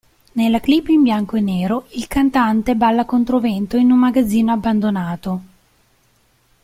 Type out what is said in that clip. Nella clip in bianco e nero, il cantante balla controvento in un magazzino abbandonato.